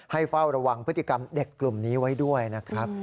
เฝ้าระวังพฤติกรรมเด็กกลุ่มนี้ไว้ด้วยนะครับ